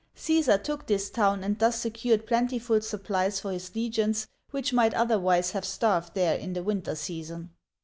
Caesar took this town and thus secured plentiful supplies for his legions, which might otherwise have starved there in the winter season.